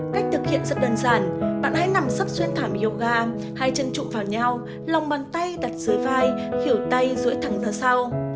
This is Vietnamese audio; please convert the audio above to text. cách thực hiện rất đơn giản bạn hãy nằm sấp xuyên thảm yoga hai chân trụ vào nhau lòng bàn tay đặt dưới vai khỉu tay rưỡi thẳng vào sau